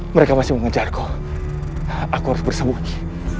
mereka masih mengejarko aku harus bersembunyi